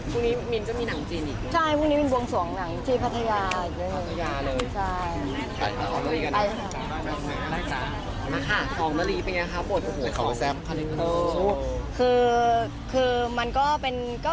อันนี้มิลจะมีหนังจีนอย่างงี้